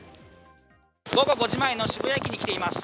午後５時前の渋谷駅に来ています。